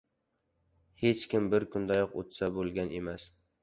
• Hech kim bir kundayoq usta bo‘lgan emas.